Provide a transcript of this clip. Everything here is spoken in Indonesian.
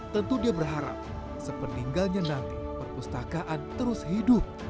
tentu dia berharap sepeninggalnya nanti perpustakaan terus hidup